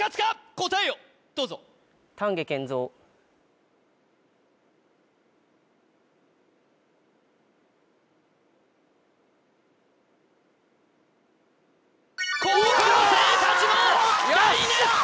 答えをどうぞ高校生たちの大熱戦！